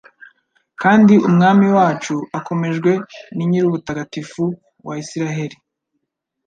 kandi umwami wacu akomejwe na Nyir’ubutagatifu wa Israheli